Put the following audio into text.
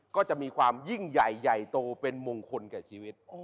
ก็จะมีความยิ่งใหญ่ใหญ่โตเป็นมงคลแก่ชีวิต